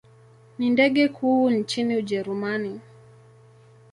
Ni ndege kuu nchini Ujerumani.